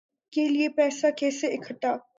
کے لیے پیسہ کیسے اکھٹا